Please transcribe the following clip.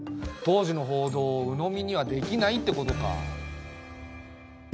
当時の報道をうのみにはできないってことか。